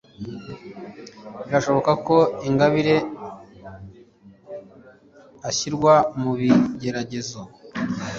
birashoboka ko Ingabire ashyirwa mu bigeragezo.